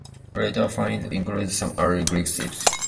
Later finds include some early Greek ships.